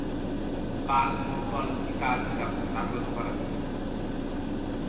Val dur-lo a l'hospital per observar-lo tota la nit.